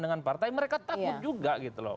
dengan partai mereka takut juga